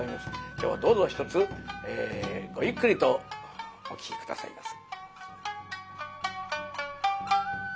今日はどうぞひとつごゆっくりとお聴き下さいませ。